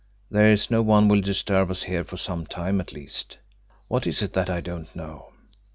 "There's no one will disturb us here for some time at least. What is it that I don't know?